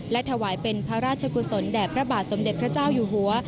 และถวายเป็นพระราชกุศลแด่พระบาทสมเด็จพระเจ้าอยู่หัว